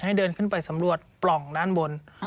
ให้เดินขึ้นไปสำรวจปล่องด้านบน